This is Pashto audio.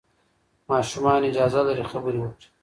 ماشومان اجازه لري خبرې وکړي.